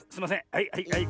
はいはいはい。